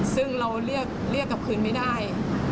ซึ่งเราเรียกกลับคืนไม่ได้